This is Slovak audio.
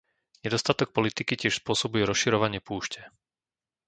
Nedostatok politiky tiež spôsobuje rozširovanie púšte.